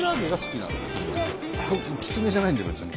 きつねじゃないんで別に。